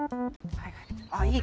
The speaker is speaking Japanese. はい？